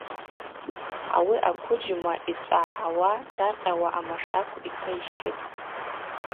Ауи аквыджьма йчӏвагӏгӏауа, тшакъьауа амашакв йтайщытӏ.